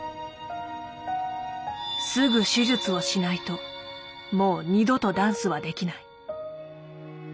すぐ手術をしないともう二度とダンスはできない。